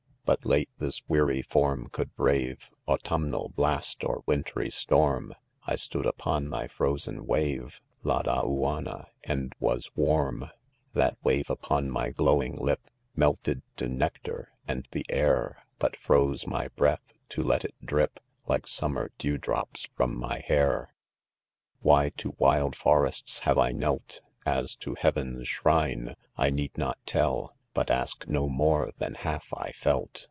But late this weary form could brave Autumnal blast or wintry storm 3— I stood' upon thy frozen wa?e s Ladauannaj and was warm* That wave upon my glowing lip ? Melted to nectar 5 and the air 5 But Froze ~my breath, to let it drip Like summer dew drops, from my liaii\ / THE . CONFESSIONS. 197 Why to wild forests have I knelt, As to heaven J s shrine, I need hot tell,— But ask no more than half I felt.